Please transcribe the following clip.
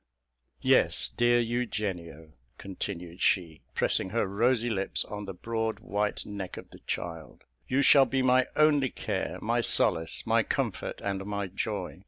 Yes, dear Eugenio," continued she, pressing her rosy lips on the broad white neck of the child, "you shall be my only care, my solace, my comfort, and my joy.